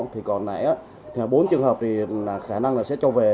thì còn nãy bốn trường hợp thì khả năng là sẽ cho về